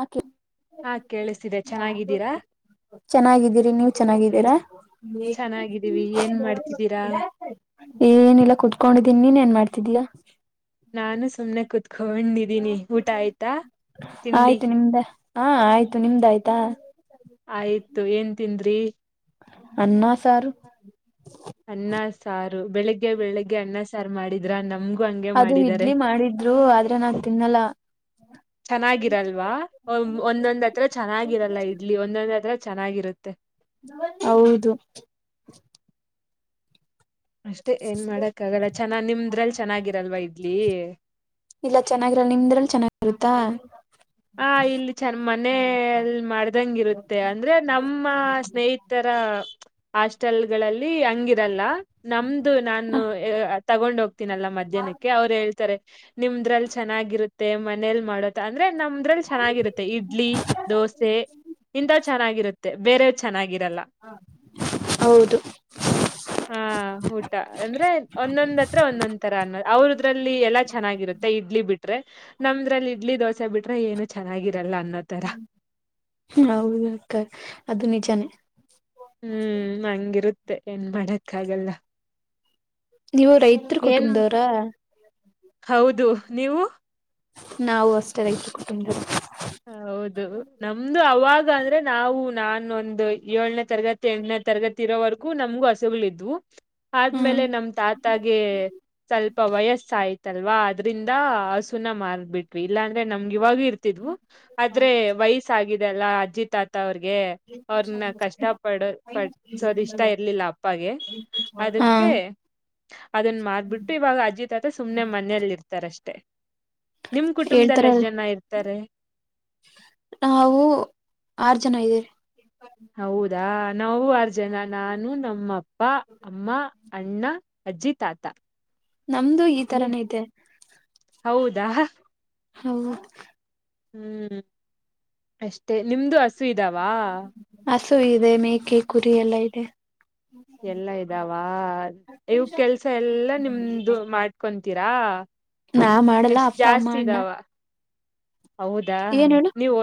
ಆಕೆ ಹಾ ಕೇಳಿಸ್ತಿದೆ ಚೆನ್ನಾಗಿದ್ದೀರಾ ಚೆನ್ನಾಗಿದ್ದೀರಿ ನೀವ ಚೆನ್ನಾಗಿದ್ದೀರಾ ಹ ಚೆನ್ನಾಗಿದ್ದೀವಿ ಏನ್ ಮಾಡ್ತಿದ್ದೀರಾ ಏನಿಲ್ಲಾ ಕುೂತ್ಕೊಂಡಿದೀನಿ ನೀನ್ ಏನ್ ಮಾಡ್ತಿದ್ದಯಾ ನಾನು ಸುಮ್ಮನೆ ಕೂತ್ ತಿಂಡಿ ಆಯ್ತು ನಿಮ್ದೆ ಹಾ ಆಯ್ತು ನಿಮ್ದ ಆಯ್ತಾ ಆಯ್ತು ಏನ್ ತಿಂದ್ರಿ ಅನ್ನ ಸಾರು ಅನ್ನ ಸಾರ್ ಬೆಳಿಗ್ಗೆ ಬೆಳಿಗ್ಗೆ ಅಣ್ಣ ಸ ಮಾಡಿದ್ರ ನಮ್ ಹಂಗೆ ಅದು ಮಾಡಿದಾರೆ ಇಡ್ಲಿ ಮಾಡಿದ್ರು ಆದ್ರೆ ನಾನ್ ತಿನ್ನಲ್ಲ ಚಾನ್ನಾಗಿರಲ್ವಾ ಒಂದೊಂದ್ ಹತ್ರ ಚನ್ನಾಗಿ ಇರಲ್ಲ ಒಂದಂದ್ [unintelligible] ಚೆನ್ನಾಗಿರುತ್ತೆ ಹೌದು ಅಷ್ಟೇ ಏನ್ ಮಾಡಕ್ ಆಗಲ್ಲ ಚೆನ್ನ ನಿಮ್ದ್ರಲ್ಲಿ ಚೆನ್ನಾಗಿರಲ್ವಾ ಇಡ್ಲಿ ಕತಾ [inaudible] ಹ ಇಲ್ಲಿ ಚಂದ ಮನೇಲ್ ಮಾಡ್ದಂಗಿರುತ್ತೆ ಅಂದ್ರೆ ನಮ್ಮ ಸ್ನೇಹಿತರ ಹಾಸ್ಟೆಲ್ ಗಳಲ್ಲಿ ಹಂಗಿರಲ್ಲ ನಮ್ದು ನಾನು ತಗೊಂಡ್ ಹೋಗ್ತೀನಲ್ಲ ಮಧ್ಯಾಹ್ನಕ್ಕೆ ಅವ್ರು ಹೇಳ್ತಾರೆ ನಿಮ್ದ ಇದದ್ರಲ್ಲಿ ಚೆನ್ನಾಗಿರುತ್ತೆ ಮನೇಲ್ ಮಾಡತ್ತ ಅಂದ್ರೆ ನಮ್ದ್ರಲ್ಲಿ ಚೆನ್ನಾಗಿರುತ್ತೆ ಇಡ್ಲಿ ದೋಸೆ ಇಂತ ಚೆನ್ನಾಗಿರುತ್ತೆ ಬೇರೆ ಚೆನ್ನಾಗಿ ಹೌದು ಹಾ ಊಟ ಅಂದ್ರೆ ಒಂದೊಂದ್ ಹತ್ರ ಒಂದೊಂದ್ ತರ ಅನ್ನ ಅವ್ರದ್ರಲ್ಲಿ ಎಲ್ಲಾ ಚೆನ್ನಾಗಿರುತ್ತೆ ಇಡ್ಲಿ ಬಿಟ್ರೆ ನಮ್ದ್ರಲ್ಲಿ ಇಡ್ಲಿ ದೋಸೆ ಬಿಟ್ರೆ ಏನು ಚೆನ್ನಾಗಿ ಹೌದ ಅಕ್ಕ ಅದು ನಿಜಾನೇ ಹ್ಮ್ ಹಂಗಿರುತ್ತೆ ಮತ್ತೆ ಏನ್ ಮಾಡಕ್ಕ ಆಗಲ್ಲ ನೀವು ರೈತರ ಏನ್ ಕುಟುಂಬದವ್ರಾ ಹೌದು ನೀವು. ನಾವು ಅಷ್ಟೇ ರೈತರ ಕುಟುಂಬ ಹೌದು ನಮ್ದು ಅವಾಗ ಅಂದ್ರೆ ನಾವು ನಾ ಒಂದು ಏಳ್ನೆ ತರಗತಿ ಎಂಟನೆ ತರಗತಿ ಇರೋವರೆ [unintelligible] ನಮಗೂ ಹಸುಗಳ ಇದ್ವು. ಹ್ಮ್ ಆದ್ಮೇಲೆ ನಮ್ ತಾತಾಗೆ ಸ್ವಲ್ಪ ವಯಸ್ಸಾಯ್ತು ಅಲ್ವಾ ಅದ್ರಿಂದ ಹಸುನ ಮಾರ್ಬಿಟ್ವಿ ಇಲ್ಲಾಂದ್ರೆ ನಮ್ ಇವಾಗು ಇರ್ತಿದ್ವು ಆದ್ರೆ ವಯಸ್ಸಾಗಿದೆ ಎಲ್ಲ ಅಜ್ಜಿ ತಾತಾ ಅವ್ರಿಗೆ ಅವ್ರನ್ನ ಕಷ್ಟ ಪಡ ಪಡ್ಸೋದ್ ಇಷ್ಟ ಇರ್ಲಿಲ್ಲ ಅಪ್ಪಾಗೆ ಹಾ ಅದಕ್ಕೆ ಅದನ್ನ ಮಾರ್ಬಿಟ್ಟು ಇವಾಗ ಅಜ್ಜಿ ತಾತ ಸುಮ್ನೆ ಮನೆಯಲ್ಲಿ ಇರ್ತಾರ ಅಷ್ಟೆ ತ್ತೆ ನಿಮ್ ಹೇಳ್ತಾರ ಕುಟುಂಬದಲ್ಲಿ ಎಷ್ಟ್ ಜನ ಇರ್ತಾರೆ. ನಾವು ಆರ್ ಜನ ಇದ್ದೀವಿ. ದಾ ನಾವು ಆರ್ ಜನ ನಾನು ನಮ್ಮಪ್ ಅಪ್ಪಾ ಅಮ್ಮ ಅಣ್ಣ ಅಜ್ಜಿ ತಾತ. ನಮ್ದು ಈ ತರಾನೆ ಇದೆ. ಹೌದಾ. ಹೌದು. ಹ್ಮ್ ಅಷ್ಟೇ ನಿಮ್ದು ಅ ಹಸು ಇದವಾ ಹಸು ಇದೆ ಮೇಕೆ ಕುರಿ ಎಲ್ಲ ಇದೆ. ಎಲ್ಲ ಇದಾವ ಇವ ಕೆಲ್ಸ ಎಲ್ಲಾ ನಿಮ್ದು ಮಾಡ್ಕೊತೀರಾ ನಾ ಮಾಡಲ್ಲ ಎಷ್ಟ್ ಅಪ್ಪ ಅಮ್ಮ ಜಾಸ್ತಿ ಅಣ್ಣ ಇದಾವ ಹೌದಾ ಏನ್ ಹೇಳು ನೀವು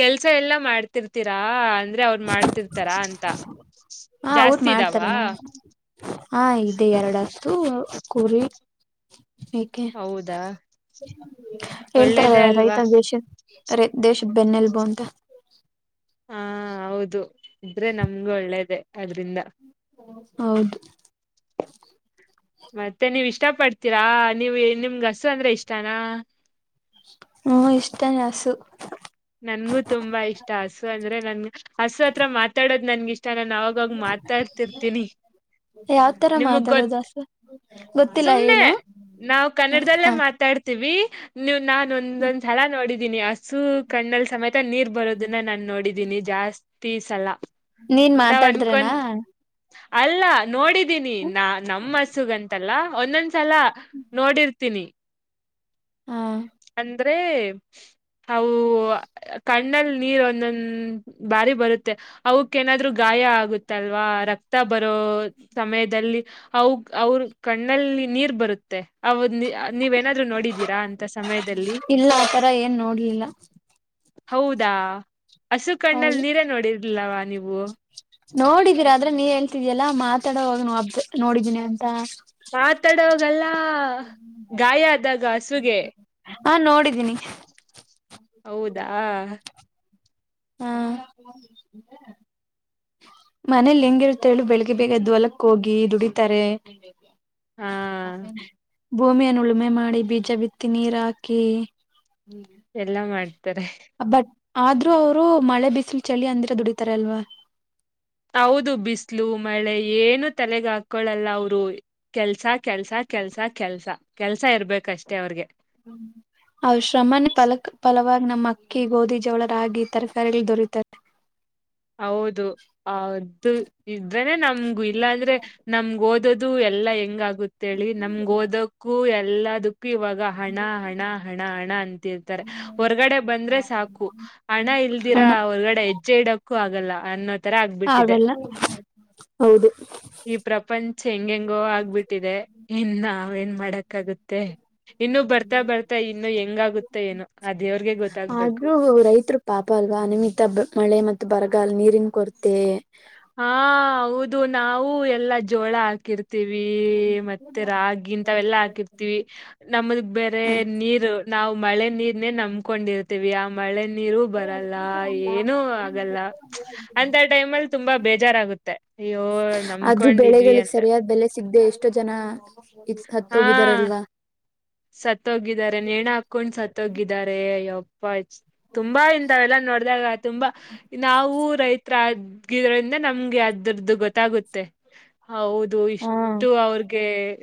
ಕೆಲ್ಸ ಎಲ್ಲಾ ಮಾಡ್ತಿರ್ತೀರಾ ಅಂದ್ರೆ ಅವ್ರು ಮಾಡ್ತಿರ್ತಾರಾ ಅಂತ. ಹಾ ಅವ್ರು ಜಾಸ್ತಿ ಇದಾವ ಮಾಡ್ತಾರೆ ನ ಹಾ ಇದೆ ಎರಡುಷ್ಟು ತು ಆ ಕುರಿ ಏಕೆ ಹೌದಾ ಒಳ್ಳೇದೇ ಹೇಳ್ತಾರಲ್ಲ ಅಲ್ವಾ ರೈತ ದೇಶ ಅರೆ ದೇಶದ್ ಬೆನ್ನೆಲ್ಬು ಅಂತ. ಹಾಂ ಹೌದು. ಇದ್ರೆ ನಮ್ಗ್ ಒಳ್ಳೇದೆ. ಅದ್ರಿಂದ ಹೌದು. ಮತ್ತೆ ನೀವಿಷ್ಟ್ ಇಷ್ಟ ಪಡ್ತೀರಾ ನೀವ್ ನಿಮ್ಗ್ ಹಸು ಅಂದ್ರೆ ಇಷ್ಟಾನ? ಹ್ಮ್ ಇಷ್ಟ ಹಸು ನನ್ಗೂ ತುಂಬಾ ಇಷ್ಟ. ಹಸು ಅಂದ್ರೆ ನನ್ ಹಸು ಹತ್ರ ಮಾತಾಡೋದ್ ನನ್ಗ್ ಇಷ್ಟ, ನಾನ್ ಅವಾಗಾಗ ಮಾತಾಡ್ತಿರ್ತೀನಿ ಯಾವ್ ತರ ನಿಮಗ್ ಗೊತ್ ಮಾತಾಡೋದು ಹಸು ಗೊತ್ತಿಲ್ಲ ಸುಮ್ನೆ ಹೇಳು ನಾವ್ ಕನ್ನಡದಲ್ಲೇ ಹ ಮಾತಾಡ್ತೀವಿ ನೀವು ನಾನ್ ಒಂದೊಂದ್ಲಳ ನೋಡಿ ದಿನೆ ಹಸು ಕಣ್ಣಲ್ ಸಮೇತ ನೀರ್ ಬರೋದನ್ನ ನಾನ್ ನೋಡಿದೀನಿ ಜಾಸ್ ತಿಸಲ ನೀನ್ ಮಾತಾಡ್ದ್ ರೇನಾ? ಅಲ್ಲ ನೋಡಿದ್ ದ್ದೀನಿ ನ ನಮ್ ಹಸುಗಂತಲ್ಲ ಒಂದೊಂದ್ಸಲ ನೋಡಿರ್ತೀನಿ ಹಾಂ ಅಂದ್ರೆ ಹೌ ಕಣ್ಣಲ್ ನೀರ್ ಒಂದೊಂದ್ ಬಾರಿ ಬರುತ್ತೆ ಅವುಕ್ಕೇನಾದ್ರು ಗಾಯ ಆಗುತ್ತಲ್ವಾ ರಕ್ತ ಬರೋ ಸಮಯದಲ್ಲಿ ಅವುಕ್ ಅವ್ರ ಕಣ್ಣಲ್ಲಿ ನೀರ್ ಬರುತ್ತೆ. ಹೌದ ನಿ ನೀವೇನಾದ್ರು ನೋಡಿದೀರಾ ಅಂತ ಸಮಯದಲ್ಲಿ ಇಲ್ಲ ಆತರ ಏನ್ ನೋಡ್ಲಿಲ್ಲ. ಹೌದಾ ಹಸು ಕಣ್ಣಲ್ ಹೌದು ನೀರೆ ನೋಡಿರ್ಲವ ನೀ ನೋಡಿದೀರ ಆದ್ರೆ ನೀವ್ ಹೇಳ್ತಿದಿಯಲ್ಲಾ ಮಾತಾಡೋವಾಗ ಅಬ್ ನೋಡಿದೀನಿ ಅಂತ. ಮಾತಾಡೋದಲ್ಲ ಗಾಯ ಆದಾಗ ಹಸುಗೆ ಹಾ ನೋಡಿದ್ದೀನಿ. ಹೌದಾ ಹಾಂ ಮನೇಲಿ ಹೆಂಗಿರುತ್ ಹೇಳು ಬೆಳಗ್ಗೆ ಬೇಗೆದ್ದ್ ಹೊಲಕ್ ಹೋಗಿ ದುಡಿತಾರೆ ಹಾ [unintelligible] ಭೂಮಿಯನ್ ಉಳುಮೆ ಮಾಡಿ ಬೀಜ ಬಿತ್ತಿ ನೀರಾಕಿ ಎಲ್ಲಾ ಮಾಡ್ತ [inaudible] ಬಟ್ ಆದ್ರೂ ಅವರು ಮಳೆ ಬಿಸಿಲು ಚಳಿ ಅಂದಿರ ದುಡಿತಾರೆ ಅಲ್ವಾ ಹೌದು ಬಿಸಲು ಮಳೆ ಏನು ತಲೆಗೆ ಹಾಕಳಲ್ಲ ಅವರು ಕೆಲ್ಸ ಕೆಲ್ಸ ಕೆಲ್ಸ ಕೆಲ್ಸ ಕೆಲ್ಸ ಇರ್ಬೇಕಷ್ಟೆ ಅವ್ರಿಗೆ ಅವ ಶ್ರಮ ಪಲಕ್ ಪಲವಾರ ನಮ್ಮ್ ಅಕ್ಕಿ ಗೋಧಿ ಜವಳ ರಾಗಿ ತರಕಾರಿಲ್ಲಿ ದೊರೀತಾರೆ ಹೌದು ಅದು ಇದ್ರೇನೆ ನಮ ಇಲ್ಲಾಂದ್ರೆ ನಮ್ಗೆ ಓದ ದದು ಎಲ್ಲಾ ಹೆಂಗ ಆ ಗೊತ್ತೇಳ ಹೇಳಿ ನಮ್ಗೆ ಓದಕ್ಕು [inaudible] ು ಇವಾಗ ಹಣ ಹಣ ಹಣ ಹಣ ಅಂತಿರ್ತಾರೆ ಹೊರ್ಗಡೆ ಬಂದ್ರೆ ಸಾಕು ಹಣ ಇಲ್ದಿರಾ ಹಣ ಹೊರ್ಗಡೆ ಹೆಜ್ಜೆ ಇಡಕ್ ಆಲ್ಲ ಅನ್ನ ಆಗಲ್ಲ ಹೌದು ಹೆಂಗ ಹೆಂಗೋ ಆಗ್ಬಿಟ್ಟಿದೆ ಇನ್ ನಾವಏನ್ ಮಾಡಕಗುತ್ತೆ ಇನ್ನು ಬರ್ತಾ ಬರ್ತಾ ಇನ್ನು ಹೆಂಗಾಗುತ್ತೆ ಏನು ಅ ದೇವ್ರಿಗೆ ಗೊತ್ತಾಗ್ಬೇಕು ಆದ್ರೂ ಬರಗಲ್ ನೀರಿನ್ ಕೊರತೆ ಹಾ ಹೌದು ನಾವು ಎಲ್ಲಾ ಜೋಳ ಹಾಕಿರ್ತ ಇರ್ತಿವಿ ಮತ್ತೆ ರಾಗಿ ಇಂತವೆಲ್ಲಾ ಹಾಕಿರ್ತೀವಿ ನಮದ್ ಬೇರೆ ಹ ನೀರು ನಾವು ಮಳೆ ನೀರ್ನೆೇ ನಂಬಕೊಂಡಿರ್ತೀವಿ ಆ ಮಳೆ ನೀರು ಬರಲ್ಲ ಏನೂ ಆಗಲ್ಲ ಅಂತ ಟೈಮ ಅಲ್ಲಿ ತುಂಬಾ ಬೇಜಾರಾಗುತ್ತೆ ಅಯ್ಯೋ ನಮಕೊಂಡಿದ್ವಿ ಅಂತ ಸಿಗ್ದ ಎಷ್ಟೋ ಜನ ಇ ಹಾ ಹತ್ತೋಗಿದಾರಲ್ವಾ ಸತ್ತೋಗಿದ್ದಾರೆ ನೇಣ ಹಾಕೊಂಡ್ ಸತ್ತೋಗಿದ್ದಾರೆ ಯ [inaudible] ತುಂಬಾ ಇಂತಾವೆಲ್ಲ ನೋಡ್ದಾಗ ತುಂಬಾ ನಾವು ರೈತ ಹಗಿದ್ರಿಂದ ನಮ್ಗೆ ಅದುರ್ದು ಗೊತ್ತಾಗುತ್ತೆ ಹೌದು ಹಾ ಇಷ್ಟು ಅವ್ರಿಗೆ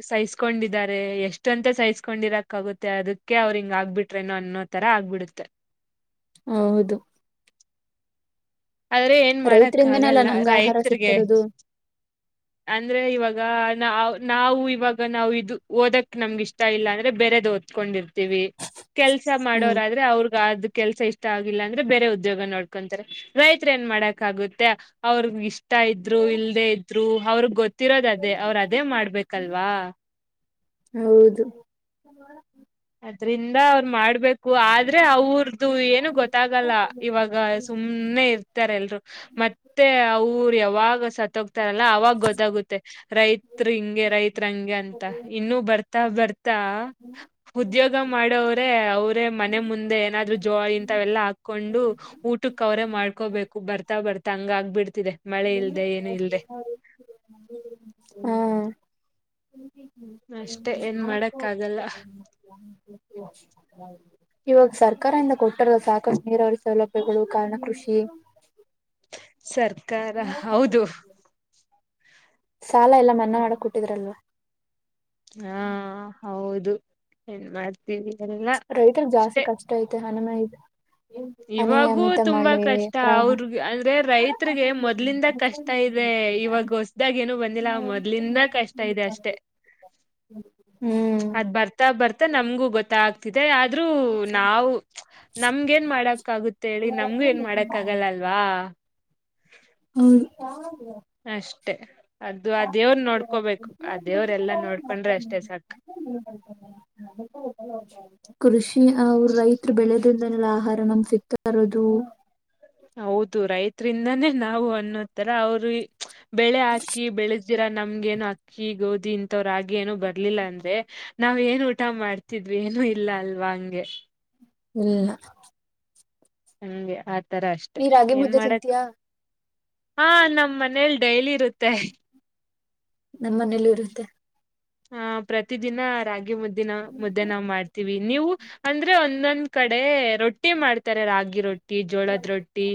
ಸೈಸ್ ಕೊಂಡಿದಿದ್ದಾರೆ ಎಷ್ಟ ಅಂತ ಸಹಿಸಸ್ಕೊಂಡಿರಕ್ ಆಗುತ್ತೆ ಅದಕ್ಕೆ ಅವ್ರರು ಹಿಂಗ ಆಗ್ಬಿಟ್ರೇನೋ ಅನ್ನೋ ತರ ಆಗ್ಬಿಡುತ್ತೆ ಹ ಹೌದು ಆದ್ರೆ ಏನ್ ಮಾಡಕ್ಕ ರೈತರಿಂದನೇ ಅಲ್ಲ ಆಗಲ್ಲ ನಮ್ಗ ಆಹಾರ ರೈತರ್ಗೆ ಸಿಗ್ತಿರೋದು ಅಂದ್ರೆ ಇವಾಗ ನ ನಾವು ಇವಾಗ ನಾವು ಇದು ಓದಕ್ ನಮ್ಗ ಇಷ್ಟ ಇಲ್ಲ ಅಂದ್ರೆ ಬೇರೆದ ಓದ್ಕೊಂಡಿರ್ತೀವಿ ಕೆಲ್ಸ ಹ್ಮ್ ಮಾಡೋರ ಆದ್ರೆ ಅವ್ರಗ ಆದ ಕೆಲ್ಸ ಇಷ್ಟ ಆಗಿಲ್ಲ ಅಂದ್ರೆ ಬೇರೆ ಉದ್ಯೋಗ ನೋಡ್ಕೊಂತಾರೆ ರೈತ ಏನ್ ಮಾಡಕ್ ಆಗುತ್ತೆ ಅವ್ರಗ್ ಇಷ್ಟ ಊಟ ಇದ್ರು ಇಲ್ಲದೇ ಇದ್ರು ಅವ್ರಗ್ ಗೊತ್ತಿರೋದ ಅದೇ ಅವ್ರು ಅದೇ ಮಾಡ್ಬೇಕಲ್ವಾ. ಹೌದು [inaudible] ಅದ್ರಿಂದ ಅವ್ರು ಮಾಡ್ಬೇಕು ಆದ್ರೆ, ಅವ್ರದು ಏನು ಗೊತ್ತಾಗಲ್ಲ ಇವಾಗ ಸುಮ್ನೆ ಇರ್ತಾರೆ ಎಲ್ರು ಮತ್ತೆ ಅವರು ಯಾವಾಗ ಸ ಇರಲ್ಲ ಅವಾಗ ಗೊತ್ತಾಗುತ್ತೆ ರೈತ್ ಹಿಂಗೆ ರೈತ್ರ ಹಂಗೆ ಅಂತ ಇನ್ನೂ ಬರ್ತ ಬರ್ತ್ [inaudible] ಹಾ [inaudible] ಉದ್ಯೋಗ ಮಾಡೋವ್ರೇ ಅವರೇ ಮನೆ [unintelligible] ಮುಂದೆ ಏನಾದ್ರು ಜೋಯ ಇಂತವೆಲ್ಲ ಹಾ ಕೊಂಡು, ಊಟಕ್ಕೆ ಅವರೇ ಮಾಡ್ಕೋಬೇಕು ಬರ್ತಾ ಬರ್ತಾ ಹಂಗ ಆಗ್ಬಿಡ್ತಿದೆ ಮಳೆ ಇಲ್ದೆ ಏನು ಇಲ್ದೆ. ಹ್ಮ [inaudible] ಅಷ್ಟೇ ಏನ್ ಮಾಡಕ್ಕ ಆಗಲ್ಲ. ಇವಾಗ ಸರ್ಕಾರ ಇಂದ ಕೊಟ್ಟಾರ ಸಾಕಷ್ಟು ನೀರಾವರಿ ಸೌಲಭ್ಯಗಳು ಕಾರಣ ಕೃಷಿ ಸರ್ಕಾರ ಹೌದು. ಸಾಲ ಎಲ್ಲ ಮನ್ನಾ ಮಾಡಕ್ ಕೊಟ್ಟಿದ್ರಲ್ವ ಹಾ [inaudible] ಹೌದು ಏನ್ ಬೇಡ್ [unintelligible] ರೈತರುಗೆ ಜಾಸ್ತಿ ಕಷ್ಟ ಐತೆ. ಮನ ಮದು [unintelligible] ಇವಾಗೂ ತುಂಬಾ ಕಷ್ಟ ಪ್ರವಾಹ ಅವ್ರ ಅಂದ್ರೆ ರೈತ್ಗೆ ಮೊದ್ಲಿಂದ ಕಷ್ಟ ಇದೆ, ಇವಾಗ ಹೊಸ್ದಾಗ ಏನು ಬಂದಿಲ್ಲ ಮೊದ್ಲಿಂದ ಕಷ್ಟ ಇದೆ ಅಷ್ಟೆ, ಹ್ಮ್ ಅದ್ ಬರ್ತಾ ಬರ್ತಾ ನಮ್ಗೂ ಗೊತ್ತಾಗಗ್ತ ಇದೆ ಗ್ಗ್ [inaudible] ಆದ್ರೂ ನಾವು ನಮಗೆನ್ ಮಾಡ ಆಗುತ್ತ ಹೇಳಿ, ನಮ್ಗೂ ಏನ್ ಮಾಡಕ್ ಆಗಲ್ಲ ಅಲ್ವಾ. ಹೌದು [inaudible] ಅಷ್ಟೇ ಅದು ಆ ದೇವ್ರ ನೋಡ್ಕೋಬೇಕು ಆ ದೇವ್ರ ಎಲ್ಲಾ ನೋಡ್ಕೊಂಡ್ರೆ ಅಷ್ಟೇ ಸಾಕು. ಕೃಷಿ ಅವರು ರೈತ್ ಬೆಳೆ ಮಂದನಗಳ [unintelligible] ಆಹರಣಂ ಸಿಗ್ತಾರದು ಹೌದು, ರೈತರಿಂದಾನೇ ನಾವು ಅನ್ನೋತ್ತರ ಅವರು ಬೆಳೆ ಹಾಕಿ ಬೆಳೆ ಹಿಂಗಂತೀರಾ [unintelligible] ನಮಗೇನು ಅಕ್ಕಿ, ಗೋಧಿ, ಇಂಥವ ಏನು ಬರ್ಲಿಲ್ಲ ಅಂದ್ರೆ ನಾವ್ ಏನ್ ಊಟ ಮಾಡ್ತಿದ್ವಿ, ಏನು ಇಲ್ಲ ಅಲ್ವಾ ಹಂಗೆ. ಇಲ್ಲ ಹಗೆ ಆ ನೀ ರಾಗಿ ಮುದ್ದೆ ತಿಂತೀಯಾ. ಹಾ ನಮ್ ಮನೇಲಿ ಡೈಲಿ ಇರುತ್ತೆ. ನಮ್ಮ ಮನೇೆಯಲ್ಲಿ ಇರುತ್ತೆ. ಹಾ ಪ್ರತಿದಿನ ರಾಗಿ ಮುದ್ದಿನ ಮುದ್ದೆ ನಾವು ಮಾಡ್ತತಿವಿ ನೀವು. ಅಂದ್ರೆ ಒಂದೊಂದ್ ಕಡೆ ರೊಟ್ಟಿ ಮಾಡ್ತಾರೆ ರಾಗಿ ರೊಟ್ಟಿ. ಜೋಳದ ರೊಟ್ಟಿ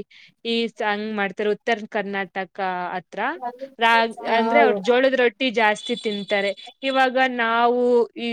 ಈ ಸಂಗ್ ಮಾಡ್ತಾರ ಉತ್ತರ ಕರ್ನಾಟಕ ಹತ್ರ ಅಂದ್ರೆ ಅವ್ರ ಹಾ ಜೋಳದ ರೊಟ್ಟಿ ಜಾಸ್ತಿ ತಿಂತಾರೆ. ಇವಾಗ ನಾವು ಈ